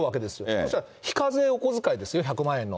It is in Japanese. そしたら、非課税おこづかいですよ、１００万円の。